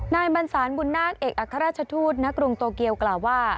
นายบรรสารบุญนาคเอกอัครราชทูตณกรุงโตเกียวกล่าวว่า